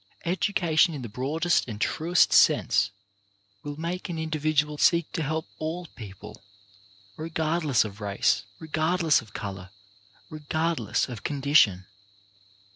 Education in the broadest and truest sense will make an individual seek to help all people, re gardless of race, regardless of colour, regardless of condition.